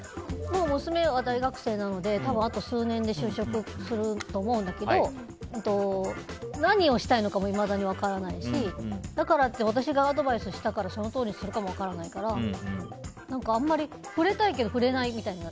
娘は大学生なのであと数年で就職すると思うんだけど何をしたいのかもいまだに分からないしだからって私がアドバイスしたからそのとおりにするかも分からないからあんまり触れたいけど触れないみたいな。